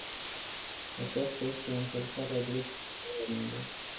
Aceasta este o încălcare a drepturilor omului.